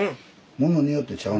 ものによってちゃう。